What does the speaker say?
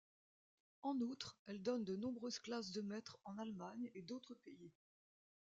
En outre elle donne de nombreuses classes de maître en Allemagne et d'autres pays.